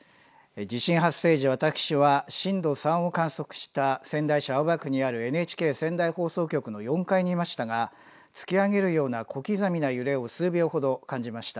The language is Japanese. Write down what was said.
地震発生時、私は震度３を観測した仙台市青葉区にあるＮＨＫ仙台放送局の４階にいましたが、突き上げるような小刻みな揺れを数秒ほど感じました。